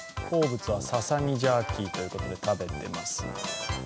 好物はささみジャーキーということで食べています。